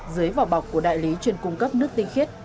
dưới vỏ bọc của đại lý chuyên cung cấp nước tinh khiết